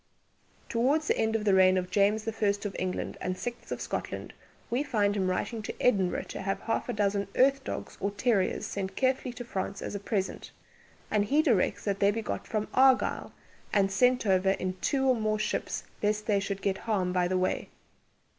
Towards the end of the reign of James the First of England and Sixth of Scotland, we find him writing to Edinburgh to have half a dozen "earth dogges or terrieres" sent carefully to France as a present, and he directs that they be got from Argyll, and sent over in two or more ships lest they should get harm by the way.